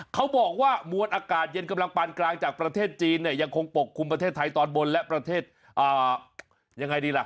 เขาบอกว่ามวลอากาศเย็นกำลังปานกลางจากประเทศจีนเนี่ยยังคงปกคลุมประเทศไทยตอนบนและประเทศยังไงดีล่ะ